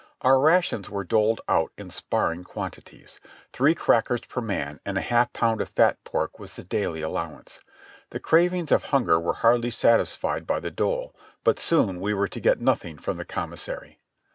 Our rations were doled out in sparing quantities ; three crack ers per man and a half pound of fat pork was the daily allowance. The cravings of hunger were hardly satisfied by the dole, but soon we were to get nothing from the commissary.